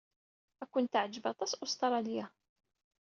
Ad ken-teɛjeb aṭas Ustṛalya.